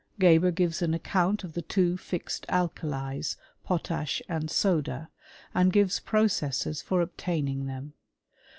Geber gives an account of the two fixed alkalies, Pot€isk and soda^ and gives processes for obtaining them.